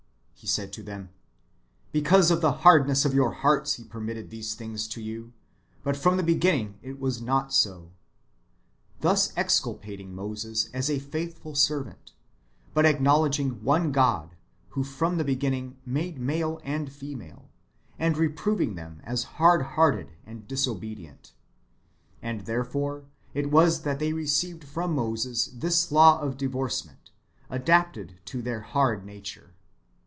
He said to them, "Because of the hard ness of your hearts he permitted these things to you ; but from the beginning it was not so ;"^ thus exculpating Moses as a faithful servant, but acknowledging one God, who from the beginning made male and female, and reproving them as hard hearted and disobedient. And therefore it was that they received from Moses this law of divorcement, adapted to their hard nature.